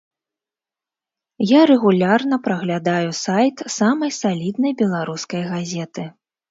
Я рэгулярна праглядаю сайт самай саліднай беларускай газеты.